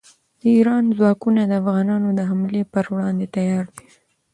د ایران ځواکونه د افغانانو د حملې پر وړاندې تیار دي.